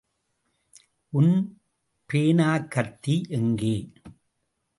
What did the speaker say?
உன் பேனாக்கத்தி எங்கே?